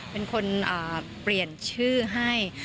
เป็นคนเปลี่ยนชื่อให้